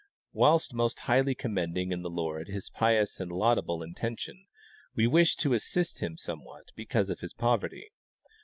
Whilst most highly commending in the Lord his pious and laudable intention, we wish to assist him somewhat because of his poverty.